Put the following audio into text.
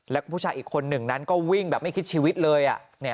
แล้วก็ผู้ชายอีกคนหนึ่งนั้นก็วิ่งแบบไม่คิดชีวิตเลย